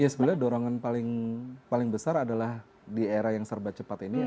ya sebenarnya dorongan paling besar adalah di era yang serba cepat ini